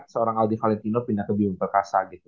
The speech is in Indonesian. seorang aldi valentino pindah ke bio perkasa gitu